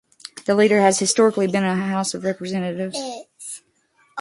The leader has historically been a member of the House of Representatives.